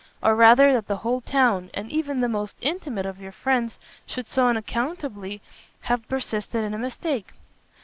or rather, that the whole town, and even the most intimate of your friends, should so unaccountably have persisted in a mistake."